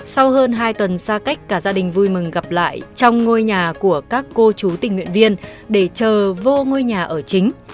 sau hơn hai tuần xa cách cả gia đình vui mừng gặp lại trong ngôi nhà của các cô chú tình nguyện viên để chờ vô ngôi nhà ở chính